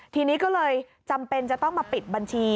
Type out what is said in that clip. ทีนี้ก็เลยจำเป็นจะต้องมาปิดบัญชี